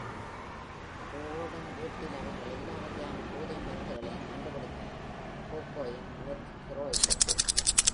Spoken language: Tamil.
ஹோவர்டின் வீட்டில் அவர்கள் எல்லா வகையான போதை மருந்துகளையும் கண்டுபிடித்தனர்: கோகோயின், மெத், ஹெராயின்...